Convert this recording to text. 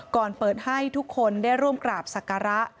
ก่อนเปิดให้ทุกคนได้ร่วมกราบศักระ